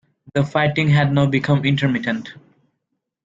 The fighting had now become intermittent.